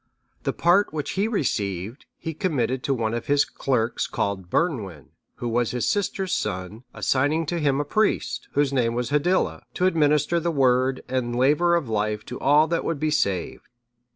The part which he received, he committed to one of his clerks called Bernwin, who was his sister's son, assigning to him a priest, whose name was Hiddila, to administer the Word and laver of life to all that would be saved.